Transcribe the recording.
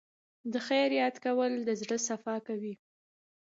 د خیر یاد کول د زړه صفا کوي.